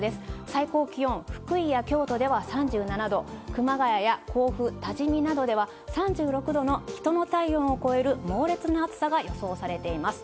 最高気温、福井や京都では３７度、熊谷や甲府、多治見などでは３６度の人の体温を超える猛烈な暑さが予想されています。